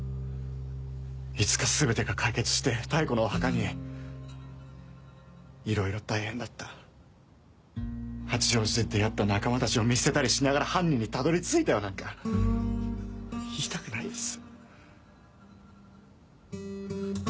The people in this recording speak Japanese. いつか全てが解決して妙子のお墓に「いろいろ大変だった八王子で出会った仲間たちを見捨てたりしながら犯人にたどり着いたよ」なんか言いたくないです。